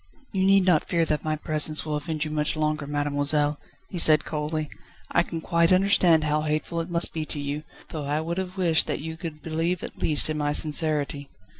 "You need not fear that my presence will offend you much longer, mademoiselle," he said coldly. "I can quite understand how hateful it must be to you, though I would have wished that you could believe at least in my sincerity."